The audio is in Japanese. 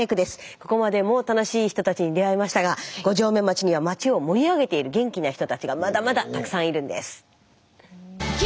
ここまでも楽しい人たちに出会いましたが五城目町には町を盛り上げている元気な人たちがまだまだたくさんいるんです。